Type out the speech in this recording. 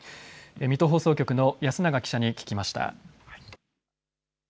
水戸放送局の安永記者に聞きました。